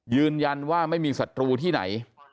ยืนยันว่าไม่มีศัตรูที่ไหน